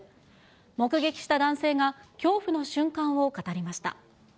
目撃した男性が恐怖の瞬間を語りました。